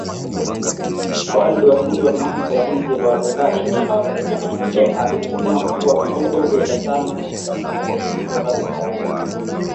Awali waziri wa mambo ya nje wa Iraq, alisema kuwa duru ya tano ya mazungumzo kati ya